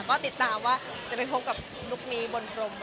ก็ติดตามว่าจะไปพบกับลุคนี้บนพรมไหม